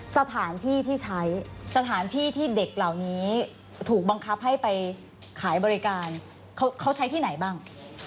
สถานที่ที่ใช้สถานที่ที่เด็กเหล่านี้ถูกบังคับให้ไปขายบริการเขาใช้ที่ไหนบ้าง